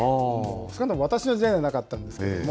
少なくとも私の時代にはなかったんですけども。